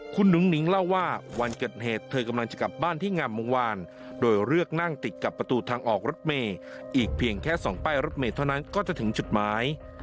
คุณนุ้งนิ้งเล่าว่าวันเกิดเหตุเธอกำลังจะกลับบ้านที่งามวงวานโดยเลือกนั่งติดกับประตูทางออกรถเมย์อีกเพียงแค่๒ป้ายรถเมย์เท่านั้นก็จะถึงจุดหมาย